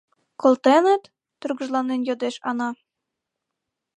— Колтеныт? — тургыжланен йодеш Ана.